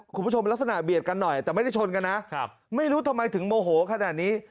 คุณผู้ชมลักษณะเบียดกันหน่อยแต่ไม่ได้ชนกันนะครับไม่รู้ทำไมถึงโมโหขนาดนี้